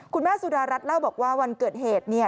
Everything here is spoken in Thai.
คุณแม่สุดารัฐเล่าบอกว่าวันเกิดเหตุเนี่ย